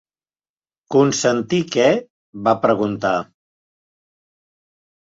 "¿Consentir què?", va preguntar.